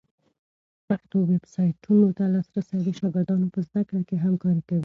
پښتو ویبسایټونو ته لاسرسی د شاګردانو په زده کړه کي همکاری کوي.